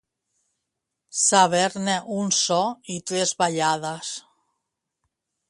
Saber-ne un so i tres ballades.